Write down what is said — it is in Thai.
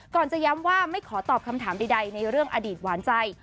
จะย้ำว่าไม่ขอตอบคำถามใดในเรื่องอดีตหวานใจ